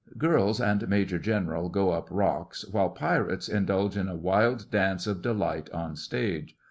(GIRLS and MAJOR GENERAL go up rocks, while PIRATES indulge in a wild dance of delight on stage.